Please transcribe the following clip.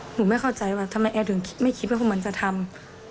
หนูไม่เข้าใจว่าทำไมแอร์ถึงไม่คิดว่าพวกมันจะทำ